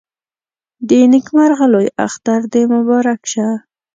د نيکمرغه لوی اختر دې مبارک شه